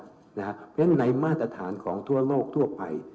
เพราะฉะนั้นในมาตรฐานของทั่วโลกทั่วไป